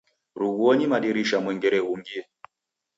Rughuonyi madirisha mwengere ghungie.